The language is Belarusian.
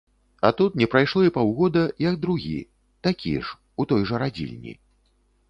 А тут не прайшло і паўгода, як другі, такі ж, у той жа радзільні.